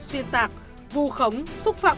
xuyên tạc vù khống xúc phạm